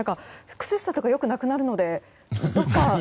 靴下とかよくなくなるので。